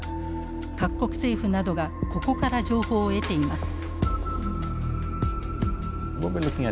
各国政府などがここから情報を得ています。